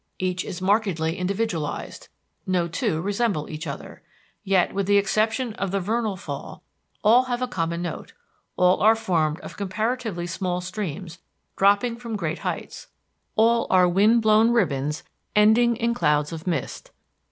Each is markedly individualized; no two resemble each other. Yet, with the exception of the Vernal Fall, all have a common note; all are formed of comparatively small streams dropping from great heights; all are wind blown ribbons ending in clouds of mist.